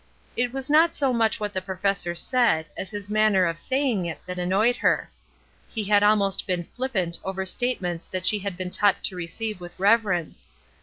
It was not so much what the professor said as his manner of saying it that annoyed her. He had almost been flippant over statements that she had been taught to receive with reverence.